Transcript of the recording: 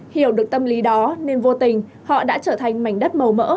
hiểu được tâm lý đó nên vô tình họ đã trở thành mảnh đất màu mỡ